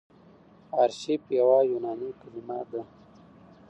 آرشیف يوه یوناني کليمه ده.